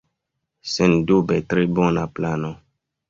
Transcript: Sendube tre bona plano!